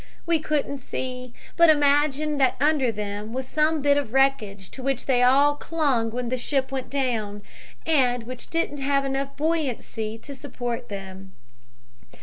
We couldn't see, but imagined that under them was some bit of wreckage to which they all clung when the ship went down, and which didn't have buoyancy enough to support them.